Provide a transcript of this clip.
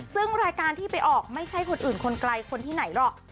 ซึ่งรายการที่ไปออกไม่ใช่คนอื่นคนไกลคนที่ไหนหรอก